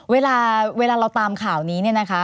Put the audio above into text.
เวลาเราตามข้าวนี้นะคะ